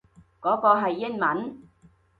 嗰個係英文